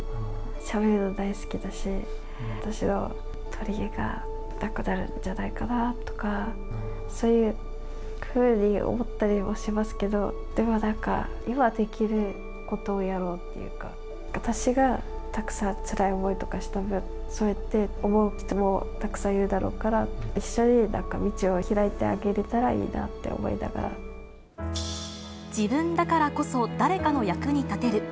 しゃべるの大好きだし、私のとりえがなくなるんじゃないかなぁとか、そういうふうに思ったりもしますけど、でもなんか、今できることをやろうというか、私がたくさんつらい思いとかした分、そうやって思う人もたくさんいるだろうから、一緒になんか道を開いてあげれたらいいなって思自分だからこそ誰かの役に立てる。